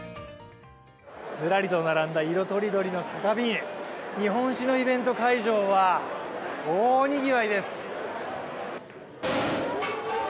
ずらりと並んだ色とりどりの酒瓶、日本酒のイベント会場は大にぎわいです。